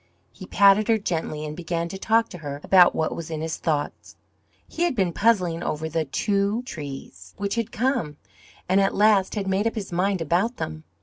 He patted her gently and began to talk to her about what was in his thoughts. He had been puzzling over the TWO trees which had come, and at last had made up his mind about them.